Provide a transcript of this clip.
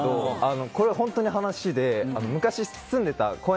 これは本当の話で昔住んでた公園。